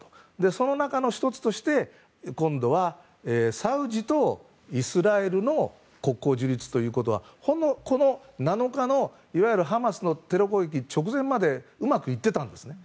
その中の１つとして今度はサウジとイスラエルの国交樹立ということはこの７日のいわゆるハマスのテロ攻撃直前までうまくいっていたんですね。